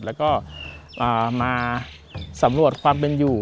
แล้วก็มาสำรวจความเป็นอยู่